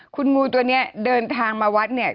คุณงูตัวนี้เดินทางมาวัดเนี่ย